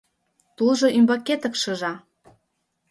— Тулжо ӱмбакетак шыжа.